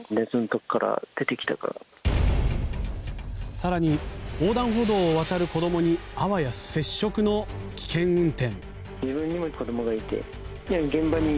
更に、横断歩道を渡る子どもにあわや接触の危険運転。